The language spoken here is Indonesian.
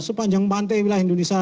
sepanjang pantai wilayah indonesia